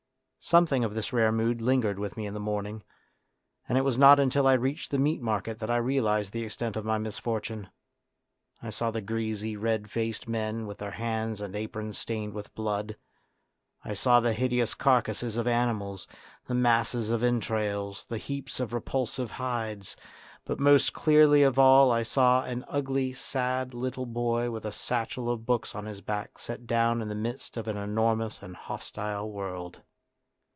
Something of this rare mood lingered with me in the morning, and it was not until I reached the Meat Market that I realised the extent of my misfortune. I saw the greasy, red faced men with their hands and aprons stained with blood. I saw the hideous carcases of animals, the masses of entrails, the heaps of repulsive hides ; but most clearly of all I saw an ugly sad little boy with a satchel of books on his back set down in the midst of an enormous and hostile world.